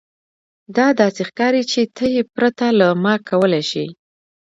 دا داسې ښکاري چې ته یې پرته له ما کولی شې